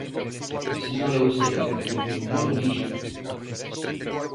Señora Uceira, non o dixo.